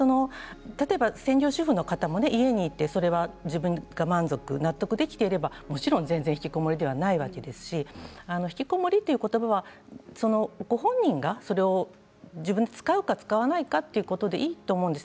例えば専業主婦の方も家にいてそれは、自分が満足納得できていれば、もちろんひきこもりではないわけですしひきこもりという言葉はご本人が自分で使うか使わないかということでいいと思うんです。